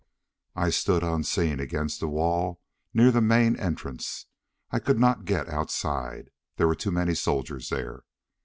I stood unseen against the wall near the main entrance. I could not get outside. There were too many soldiers there.